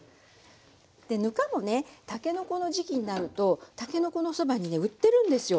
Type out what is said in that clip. ぬかもねたけのこの時期になるとたけのこのそばにね売ってるんですよ。